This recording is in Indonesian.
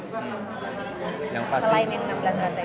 selain yang enam belas rantai itu